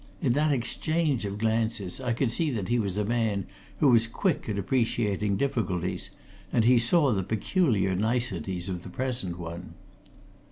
In that exchange of glances, I could see that he was a man who was quick at appreciating difficulties and that he saw the peculiar niceties of the present one.